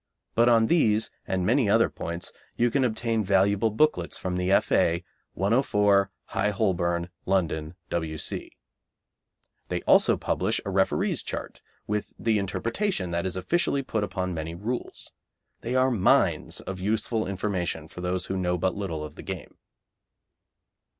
But on these and many other points you can obtain valuable booklets from the F.A., 104, High Holborn, London, W.C. They publish also a referees' chart, with the interpretation that is officially put upon many rules. They are mines of useful information for those who know but little of the game.